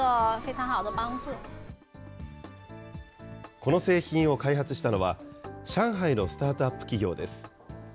この製品を開発したのは、上海のスタートアップ企業です。